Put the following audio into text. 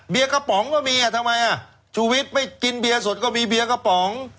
กระป๋องก็มีอ่ะทำไมอ่ะชูวิทย์ไม่กินเบียร์สดก็มีเบียร์กระป๋อง